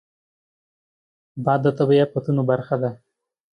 باد د طبیعي افتونو برخه ده